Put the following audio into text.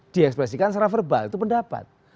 di ekspresikan secara verbal itu pendapat